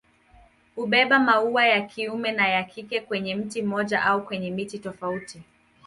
Hubeba maua ya kiume na ya kike kwenye mti mmoja au kwenye miti tofauti.